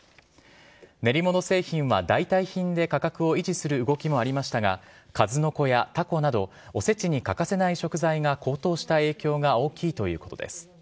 練り物製品は代替品で価格を維持する動きもありましたが数の子やタコなどおせちに欠かせない食材が高騰した影響が大きいということです。